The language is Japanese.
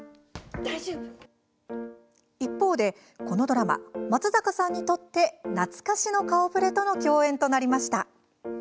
一方で、このドラマ松坂さんにとって懐かしの顔ぶれとの共演となりました。